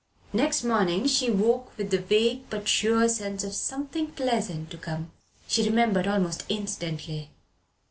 Next morning she woke with the vague but sure sense of something pleasant to come. She remembered almost instantly.